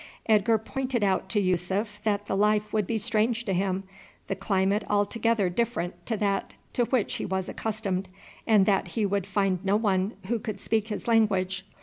Edgar pointed out to Yussuf that the life would be strange to him, the climate altogether different to that to which he was accustomed, and that he would find no one who could speak his language.